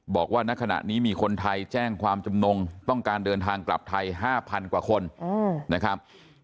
บอกว่าณขณะนี้มีคนไทยแจ้งความจำนงต้องการเดินทางกลับไทย๕๐๐กว่าคนนะครับ